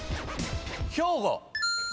兵庫。